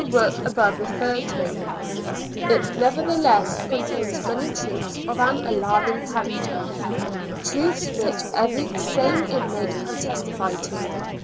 5 work above referred to, it nevertheless contains many truths of an alarming character — truths which every sane inmate can testify to.